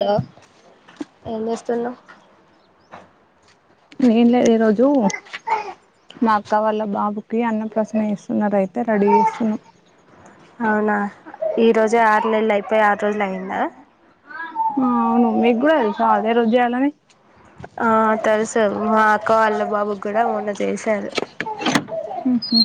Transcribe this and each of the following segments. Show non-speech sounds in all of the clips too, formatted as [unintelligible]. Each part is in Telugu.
హలో ఏం చేస్తున్నావ్ ఏం లేదు ఈ రోజు మా అక్క వాళ్ళ బాబుకి అన్న ప్రసన్న చేస్తున్నారైతే రెడీ చేస్తున్నాం అవునా ఈరోజే ఆరు నెల్లు అయిపోయి ఆరు రోజులు అయిందా ఆ అవును, మీకు కూడా తెలుసా అదే రోజు చేయాలని ఆ తెలుసు మా అక్క వాళ్ళ బాబుకి కూడా మొన్న చేశారు [inaudible] ఉహు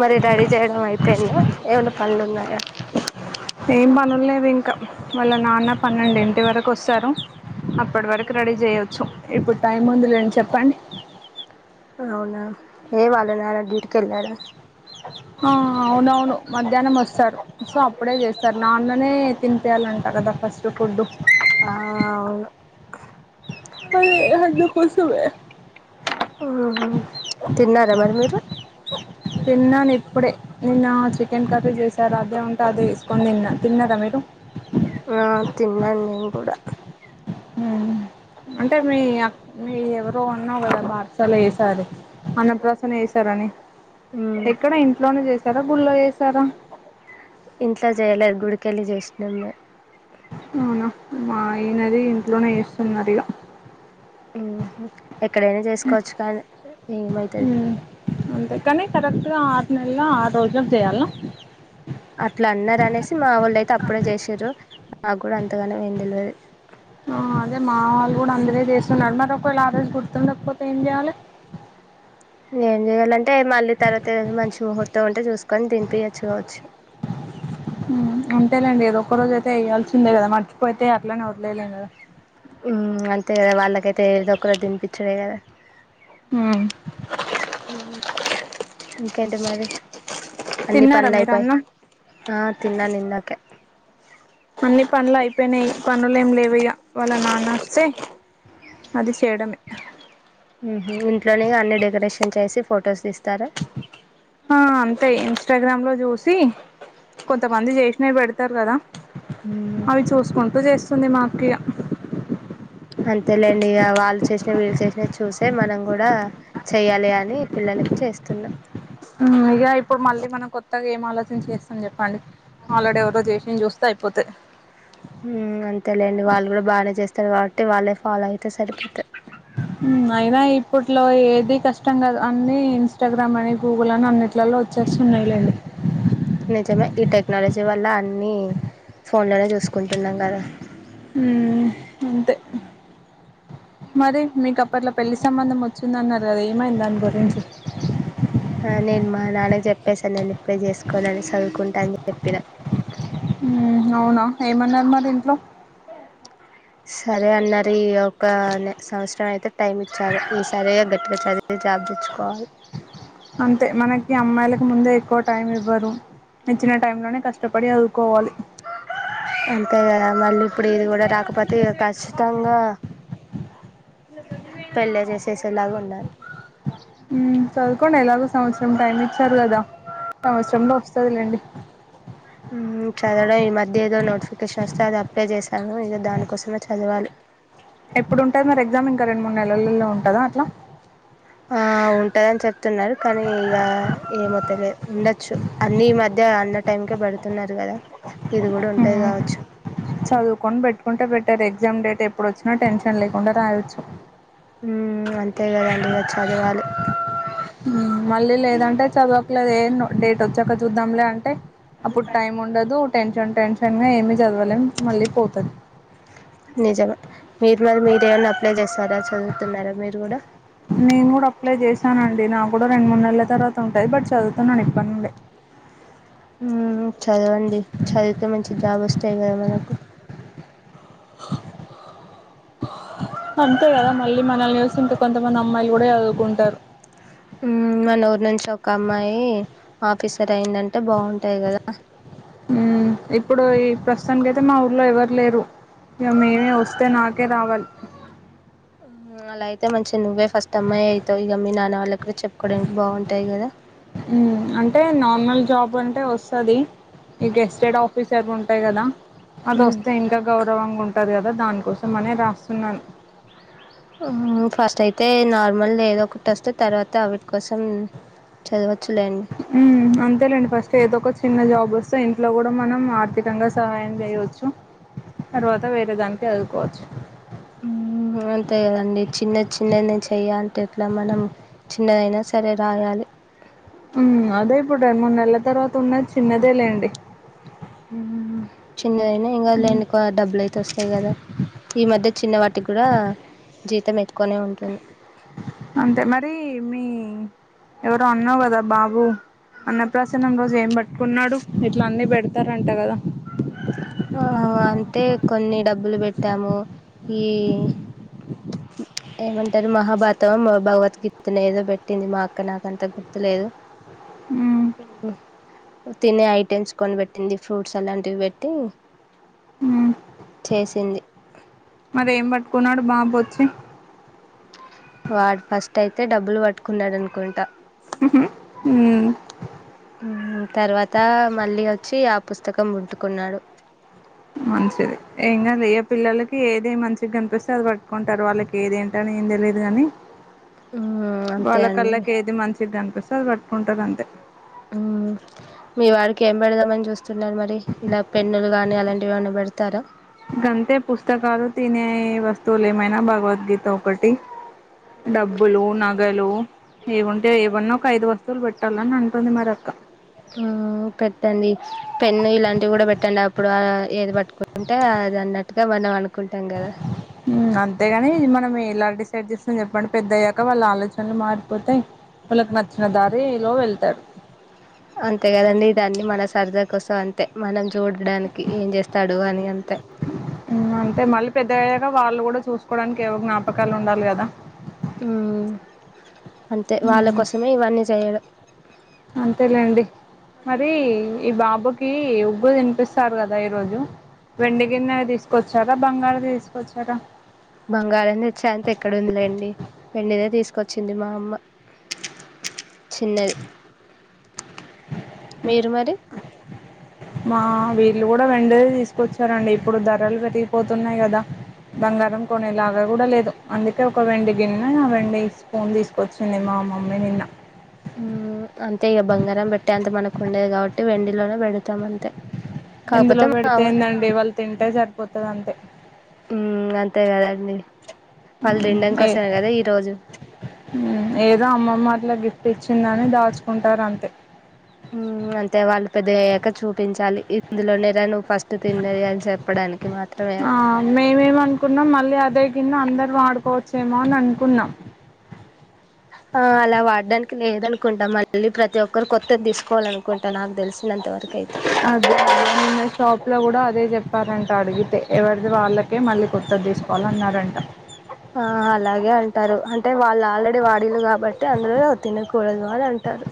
మరి రెడీ చేయడం అయిపోయిందా ఏమన్నా పనులున్నాయా ఏం పనులు లేవు ఇంకా వాళ్ళ నాన్న పన్నెండు ఇంటి వరకు ఒస్తారు అప్పటి వరకు రెడీ చేయచ్చు ఇప్పుడు టైం ఉంది లే చెప్పండి అవునా, ఏ వాళ్ళ నాన్న డ్యూటీకెల్లాడ ఆ అవునవును మధ్యాహ్నం వస్తారు సో అప్ అప్పుడే చేస్తారు. నాన్ననే తినిపేయాలంట కదా ఫస్ట్ ఫుడ్ ఆ అవును అ అందుకోసమే ఉహు తిన్నారా మరి మీరు తిన్నాను ఇప్పుడే, నిన్న చికెన్ కర్రీ చేశారు, అదే ఉంటే అదే వేసుకొని తిన్న తిన్నరా మీరు ఆ తిన్నాను నేను గూడ అంటే మీ అక్ మీ ఎవరో ఉన్నావు కదా బారసాల చేశారు అని అన్నప్రాసన చేసారని ఉమ్ ఎక్కడ ఇంట్లోనే చేసారా గుళ్ళ చేసారా ఇంట్లో చేయలేదు, గుడికెళ్ళి చేసినం మేం అవునా, మా ఈనది ఇంట్లోనే చేస్తున్నారు ఇగ ఉహు ఎక్కడైనా చేసుకోవచ్చు దాని ముంది హుమ్మ్ అంతే కాని కరెక్ట్గా ఆరు నెల ఆరు రోజులకు చేయాల అట్లా అన్నారు అనేసి మా వాళ్ళు అయితే అప్పుడే చేసిండ్రు, నాకు కూడా అంతగానం ఏం తెల్వది [unintelligible] అదే మా వాళ్ళు కూడా అందరే చేస్తున్నారు. మరి ఒకవేళ ఆ రోజు గుర్తుండకపోతే ఏం చేయాలె? ఏం చెయ్యాలంటే మళ్ళీ తర్వాత ఏదైనా మంచి ముహూర్తం ఉంటే చూసుకొని తినిపోయొచ్చు కావచ్చు [unintelligible] ఉమ్ అంతేలేండి ఏదో ఒక రోజ అయితే ఏయ్యాల్సిందే కదా, మర్చిపోయితే అట్లనే వదిలేయాలెం కదా ఉమ్మ్ అంతే కదా వాళ్ళకైతే ఏదో ఒకరు తినిపించుడే కదా ఉమ్మ్ ఇంకేంటి మరి, అన్నీ తిన్నారా పనులు మీరు అయిపోయి, అన్నం ఆ తిన్నాను ఇందాకే అన్ని పనులు అయిపోయినాయి పనులు ఏం లేవు ఇగ. వాళ్ళ నాన్న వస్తే అది చేయడమే ఉహు ఇంట్లోనే అన్ని డెకరేషన్ చేసి ఫొటోస్ తీస్ ఆ అంతే ఏం ఇన్స్టాగ్రామ్ లో చూసి కొంతమంది చేసినవి పెడతారు కదా మ్మ్ అవి చూసుకుంటూ చేస్తుంది మా అక్కయ అంతేలేండి, ఇక వాళ్ళు చేసినావి వీళ్ళు చేసినావి చూసే మనం కూడా చెయ్యాలి అని పిల్లల చేస్తున్నా ఉమ్, ఇగ ఇప్పుడు మళ్ళీ మనం కొత్తగా ఏం ఆలోచన చేస్తాం చెప్పండి, ఆల్రెడీ ఎవరో చేసింది చూస్ తే అయిపోతా ఉమ్మ్ అంతేలేండి, వాళ్ళు కూడా బాగానే చేస్తారు కాబట్టి, వాళ్ళే ఫాలో అయితే సరిపోతాది అయినా ఇప్పట్లో ఏది కష్టం కాదు. అన్ని ఇన్స్టాగ్రామ్ అని, గూగుల్ అని, అన్నిట్లలో వచ్చే వస్తున్నాయి లేండి నిజమే, ఈ టెక్నాలజీ వల్ల అన్ని ఫోన్ లోనే చూసుకుంటున్నాం కదా అంతే మరి మీకు అప్పట్లో పెళ్లి సంబంధం వచ్చిందన్నారు కదా ఏమైంది దానిగు ఆ నేను మా మా నాన్న కి చెప్పేసా నేను ఇప్పుడే చేసుకోనని సాదువుకుంటానని చెప్పిన హ్మ్ అవునా ఏమన్నారు మరి ఇంట్లో సరే అన్నారు ఈ ఒక సంవత్సరం అయితే టైం ఇచ్చారు ఈ సరీ ఇగ గట్టిగా చదివి జాబ్ తెచ్చుకోవాలి అంతే మనకి అమ్మాయిలకు ముందే ఎక్కువ టైమ్ ఇవ్వరు ఇచ్చిన టైమ్ లోనే క ష్టపడి చదువుకోవాలి [inaudible] అంతే కాదా మళ్ళీ ఇప్పుడు ఇది కూడా రాకపోతే ఇగ ఖచ్చితంగా పెళ్ళే చేశేసేలాగా ఉన్నారు హ్మ్ చదువుకోండి ఎలాగో సంవత్సరం టైం ఇచ్చారు కదా సంవత్సరంలో వ స్తది లేండి మ్మ్ చదవడం ఈ మధ్య ఏదో నో టీస్ వస్తే అది అప్లై చేశాను ఇక దానికోసమే చదవాలి ఎప్పుడుంటది మరి ఎగ్జామ్ ఇంకా రెండు మూడు నెలల్లో ఉంటదా అట్లా ఆ ఉంటదని చెప్తున్నారు కానీ ఇక ఏమో తెలియదు ఉండొచ్చు అన్ని ఈ మధ్య అన్న టైం కే పేడుతున్నారు కదా ఇది కూడా ఉంటది మ్మ్ కావచ్చు చదువుకొని పెట్టుకుంటే పే టేర్ ఎగ్జామ్ డేట్ ఎప్పుడు వచ్చినా టెన్షన్ లేకుండా రాయొచ్చు హ్మ్ అంతే కదండి ఇగ చదవాలి హ్మ్ మళ్ళీ లేదంటే చదవకలేదు ఏంనో డేట్ వచ్చాక చూద్దాంలే అంటే అప్పుడు టైం ఉండదు టెన్షన్ టెన్షన్ గా ఏమి చదవలేం మళ్ళీ పోతది నిజమే మీరు మరి మీరుమైన్నా అప్లై చేస్తారా చదువుతున్నారా మీరు కూడా నేను కూడా అప్లై చేశానండి నా కుడా రెండు మూడు నెలల తర్వాత ఉంటాంది బట్ చదువుతున్నాను ఇప్పటి నుండే హ్మ్ చదవండి చదివితే మంచి జాబ్ వస్తాది కదా మనకు [inaudible] అంతే కదా మళ్ళీ మనల్ని చూసి ఇంక కొంతమంది అమ్మాయిలు కూడా చదువుకుంటారు హ్మ్ మన ఊరు నుంచి ఒక అమ్మాయి ఆఫీసర్ అయిందంటే బాగుంటాది కదా హ్మ్ ఇప్పుడు ఈ ప్రస్తుతానికై తే మాఊర్లో ఎవరు లేరు ఇగ మేమే వస్తే నాకే రావాలి మ్మ్ అలా అయితే మంచిది నువ్వే ఫస్ట్ అమ్మాయి అయితావ్ ఇగ మీ నాన్న వల్ల కు హ్మ్ అంటే నార్మల్ జాబ్ అం టే వసాది ఈ గెస్టెడ్ ఆఫీస్ అవి ఉంటాయి కదా మ్మ్ అదోస్తే ఇంకా గౌరవంగా ఉంటది కదా దానికోసమనే రాస్తున్నాను హుహు ఫస్ట్ అయితే నార్మల్ లేదో ఒకటి వస్తే తర్వాత అవిటి కోసం చదవ హ్మ్ మ్మ్ అంతేలేండి ఫస్ట్ ఏదో ఒక చిన్న జాబ్ వ సో ఇంట్లో కూడా మనం ఆర్థికంగా సహాయం చేయోచ్చు తర్వాత వేరే దానికి ఎల్పోవచ్చు హ్మ్ అంతే కదండి చిన్న చిన్న నేన్ చెయ్య అంటే ఎట్లా మనం చిన్నదైనా సరే రాయాలి ఉమ్ అదే ఇప్పుడు రెండు మూడు నెల్ల తర్వాత ఉన్నది చిన్నదే లేండి మ్మ్ చిన్నదైనా ఏమి కాదు ఉమ్, లేండి డబ్బులు అయితే వస్తాయి కదా ఈ మధ్య చిన్న వాటికి కూడా జీతం ఎతుకునే ఉంటుంది అంతే మరి మీ ఎవరో అన్నావు కదా బాబు అన్నప్రాసన్నం రోజు ఏం పట్టుకున్నాడు ఇట్లా అన్నీ పెడతారు అంట కదా ఆ అంతే కొన్ని డబ్బులు పెట్టాము ఈ ఏమంటారు మహాభారతం, భగవద్గీత అని ఏదో పెట్టింది మాఅక్క నాకంత గుర్తు లేదు హ్మ్ తినే ఐటెమ్స్ కొనిబెట్టింది ఫ్రూట్స్ అలాంటివి పెట్టి ఉమ్ చేసింది మరి ఏం పట్టుకున్నాడు బాబొచ్చి వాడు ఫస్ట్ అయితే డబ్బులు పట్టుకున్నాడ నుకుంటా ఉహు ఉమ్ తర్వాత మళ్ళీ వచ్చి ఆ పుస్తకం ముట్టుకున్నాడు మంచిది ఏం కాదు, ఏ పిల్లలకి ఏది మంచిగా కనిపిస్తే అది పట్టుకుంటారు. వాళ్ళకి ఏది ఏంటని, ఏం తెలిదు కాని మ్మ్, అంతే వాళ్ళ అండి కళ్ళకి ఏది మంచిగ కనిపిస్ అది పట్టుకుంటారు అంతే మ్. మీ వాడికి ఏం పెడదామని చూస్తున్నారు మరి, ఇలా పెన్నులు గాని అలాంటివిఎమన్నా పెడతారా గంతే పుస్తకాలు, తినే వస్తువులు ఏమైనా భగవద్గీత ఒకటి డబ్బులు, నగలు ఏముంటే ఏమన్నా ఒక ఐదు వస్తువులు పెట్టాలని అంటుంది, మరి అక్క ఉమ్... పెట్టండి పెన్ను, ఇలాంటివి కూడా పెట్టండి. అప్పుడు ఏది పట్టుకుంటే అ ది అన్నట్గా మనం అను మ్... అంతేగాని ఇది మనం ఎలా డి సైడ్ చేస్తాం చెప్పండి. పెద్ద అయ్యాక వాళ్ళు ఆలోచనలు మారిపోతాయి. వాళ్ళకి నచ్చిన దారి లో వెళ్తారు. అంతే కదండి దాన్ని మన సరద కోసం అంతే, మనం చూడడానికి ఏం చేస్తాడు అని అంతే, అంటే మళ్ళీ పెద్ద అయ్యాక వాళ్ళు కూడా చూసుకోవడానికి ఏవో జ్ఞాపకాలు ఉండాలి కదా మ్ అంతే, వాళ్ళ కోసమే ఇవన్నీ చేయడం. అంతేలేండి మరి ఈ బాబుకి ఉగ్గు తినిపిస్తారు కదా, ఈరోజు. వెండి గిన్నె తీసుకొచ్చారా, బంగారు ది తీసుకొచ్చారా, బంగారం తేచ్చేంత ఎక్కడ ఉందిలేండి. వెండిదే తీసుకొచ్చింది మా అమ్మ. చిన్నది, మీరు మరి మా వీళ్ళు కూడా వెండిదే తీసుకొచ్చారండి. ఇప్పుడు ధరలు పెరిగిపోతున్నాయి కదా. బంగారం కొనేలాగా కూడా లేదు, అందుకే ఒక వెండి గిన్నె ఆ వెండి స్పూన్ తీసుకొచ్చింది. మా మా మమ్మీ నిన్న మ్... అంతే ఇక బంగారం పెట్టే అంత మనకు ఉండేది, కాబట్టి వెండిలోనే పెడతాం అంతే. ఎందులో కాకపోతే మా పెడితే ఎందండి వాళ్ళు తింటే సరిపోతది అంతే అన్ని మ్.. ఏ.. మ్.... ఏదో అమ్మమ్మ అట్లా గిఫ్ తెచ్చిందని దాచుకుంటారు అంతే ఉమ్ అంతే వాళ్ళు పెద్ద అయ్యాక చూపించాలి. ఇందులోనే రా నువ్ తిన్నది అని చెప్పడానికి మాత్రమే ఆ అది మేమేం అనుకున్నాం మళ్ళీ అదే గిన్న, అందర ఆడుకోవచ్చేమో అని అనుకున్నాం. ఆ అలా వాడ్డానికి లేద అనుకుంటా, మళ్ళీ ప్రతి ఒక్కరు కొత్తది తీసుకోవాలనుకుంటా, నాకు తెలిసినంతవరకైతే, అదే అదే నిన్న షాప్ లో కూడా అదే చెప్పారంట అడిగితే ఎవరిది వాళ్ళకే మళ్ళీ కొ త్తది తీసుకోవాలన్నారంట ఆ అలాగే అంటారు, అంటే వాళ్ళు ఆల్రెడీ వాడిలు కాబట్టి, అందులో తినకూడదు అని అంటారు.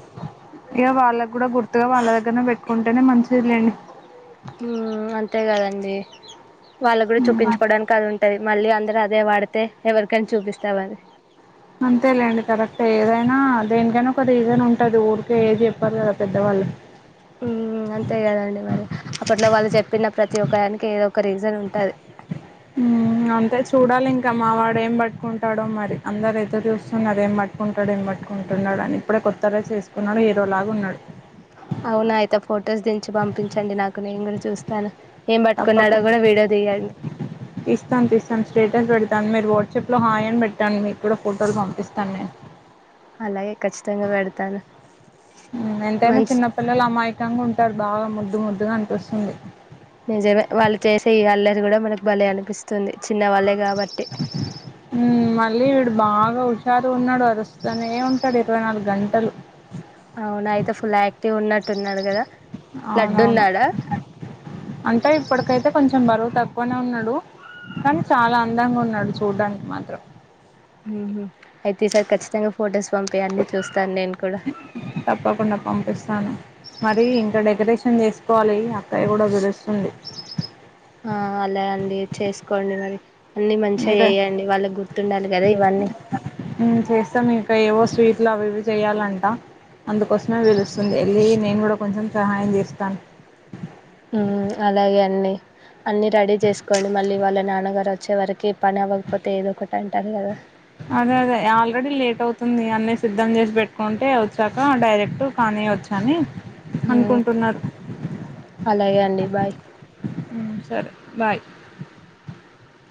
ఇక వాళ్ళగూడా గుర్తుగా వాళ్ళ దగ్గరనే, పెట్టుకుంటేనే మంచిదిలేండి. మ్... అంతే కదండి వాళ్ళ కూడా చూపించుకోవడానికి అది ఉంటది మళ్ళీ అందరు అ దే వాడితే ఎవరికని చూపిస్తావ్ అది అంతేలేండి కరెక్ట్ ఏదైనా ఆ... దేనికైనా ఒక రీజన్ ఉంటది ఊరికే ఏది చెప్పరు కదా పెద్దవాళ్ళు మ్మ్ అంతే కదండి దానికి ఏదో ఒక రీజన్ ఉంటాది మ్... అంతే చూడాలి ఇంకా మా వాడు ఏం బట్టుకుంటాడో మరి అందరు ఎదురు చూస్తున్నారు ఏం బట్టుకుంటాడు ఏం బట్ పట్టుకుంటున్నాడు అని ఇప్పుడే కొత్త డ్రెస్ వేసుకున్నాడు హీరోలాగా ఉన్నాడు అవునా అయితే ఫొటోస్ దించి పంపించండి నాకు నేను గూడా చూస్తాను ఏం తప్పకు పట్టుకున్నాడో కూడా వీడియో తీయండి తీస్తాం తీస్తాం స్టేటస్ పెడ తాన్ మీరు వాట్సాప్లో హాయ్ అని పెట్టండి మీకు కూడా ఫోటోలు పంపిస్తాను నేను అలాగే ఖచ్చితంగా పెడతాను ఎంతైనా మంచి చిన్న పిల్లలు అమాయకంగా ఉంటారు బాగా ముద్దు ముద్దుగా అనిపిస్తుంది నిజమే వాళ్ళు చేసే ఈ అల్లరి కూడా మనకు భలే అనిపిస్తుంది చిన్నవాళ్ళే గాబట్టి మ్ మళ్ళీ వీడు బాగా హుషారు ఉన్నాడు అరుస్తనే ఉంటాడు ఇరవై నాలుగు గంటలు అవునా అయితే ఫుల్ యాక్టివ్ ఉన్నట్టున్నాడు గదా అవునవును అంటే ఇప్పటికైతే కొంచెం బరువు త క్కునే ఉన్నాడు కానీ చాలా అందంగా ఉన్నాడు చూడ్డానికి మాత్రం హు హూ అయితే ఈసారి ఖచ్చితంగా ఫొటోస్ పంపీయండి చూస్తాను నేను కూడా తప్పకుండా పంపిస్తాను మరి ఇంకా డెకరేషన్ జేసుకోవాలి అక్కయ్య గూడా ఎదురు ఉంది ఆ అలా అండి చేసుకోండి మరి అన్ని మంచిగా మీరే చేయండి వాళ్ళకి గుర్తుండాలి గదా ఇవన్నీ ఉమ్ చేస్తాం ఇంకా ఏవో స్వీట్లు అవి ఇవి చేయాలంట అందుకోసమే పిలుస్తుంది యెళ్ళి నేను గూడా కొంచెం సహాయం జేస్తాను ఉమ్ అలాగే అండి అన్నీ రెడీ చేసుకోండి మళ్ళీ వాళ్ళ నాన్నగారు వచ్చే వరకి పని అవ్వకపోతే ఏదో ఒకటి అంటారు గదా అదే అదే ఆల్రెడీ లేట్ అవుతుంది అన్ని సిద్ధం చేసి పెట్టుకుంటే వచ్చాక డైరెక్ట్ కానీ వచ్చ అని ఉమ్ అలాగే అండి బాయ్ ఉమ్ సరే బాయ్